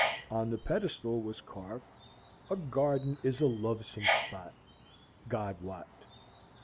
On the pedestal was carved, "A garden is a lovesome spot, God wot."